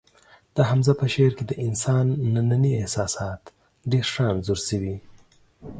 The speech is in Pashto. د حمزه په شعر کې د انسان ننني احساسات ډېر ښه انځور شوي